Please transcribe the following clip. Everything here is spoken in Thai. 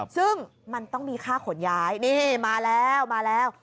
ซึ่งมันต้องมีค่าขนย้ายนี่มาแล้วมาแล้ว